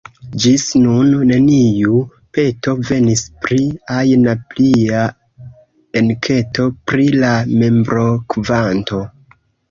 Ĝis nun, neniu peto venis pri ajna plia enketo pri la membrokvanto.